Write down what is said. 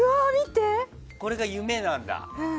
これが夢なんだ。